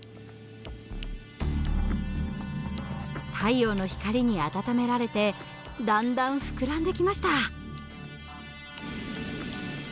太陽の光に温められてだんだん膨らんできました。